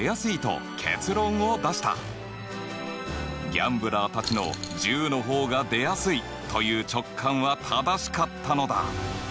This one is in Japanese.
ギャンブラーたちの「１０の方が出やすい」という直感は正しかったのだ！